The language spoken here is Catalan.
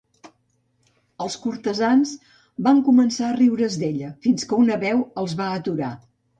Els cortesans van començar a riure's d'ella fins que una veu els va aturar.